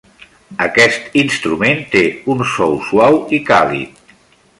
Aquest instrument té un so suau i càlid.